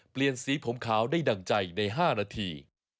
เปลี่ยนสีผมขาวได้ดั่งใจใน๕นาที